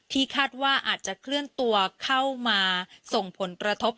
คาดว่าอาจจะเคลื่อนตัวเข้ามาส่งผลกระทบ